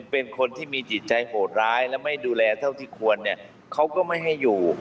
เป็นคนที่มีจิตใจโหดร้ายและไม่ดูแลเท่าที่ควรเนี่ยเขาก็ไม่ให้อยู่